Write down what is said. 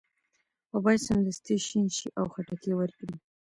او باید سمدستي شین شي او خټکي ورکړي.